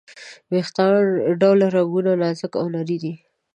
ویښته ډوله رګونه نازکه او نري دي.